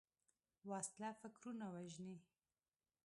وسله فکرونه وژني